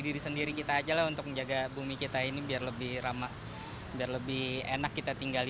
diri sendiri kita aja lah untuk menjaga bumi kita ini biar lebih ramah biar lebih enak kita tinggal